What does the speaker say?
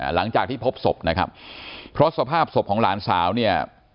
หลังจากที่พบศพนะครับเพราะสภาพศพของหลานสาวเนี่ย